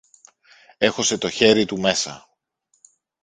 έχωσε το χέρι του μέσα